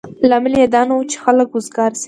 لامل یې دا نه و چې خلک وزګار شي.